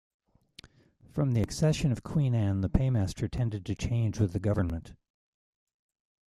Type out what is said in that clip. From the accession of Queen Anne the Paymaster tended to change with the government.